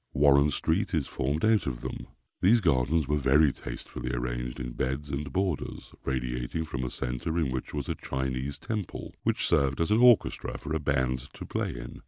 Warren street is formed out of them. These gardens were very tastefully arranged in beds and borders, radiating from a centre in which was a Chinese temple, which served as an orchestra for a band to play in.